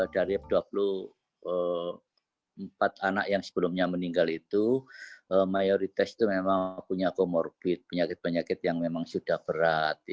dari dua puluh empat anak yang sebelumnya meninggal itu mayoritas itu memang punya comorbid penyakit penyakit yang memang sudah berat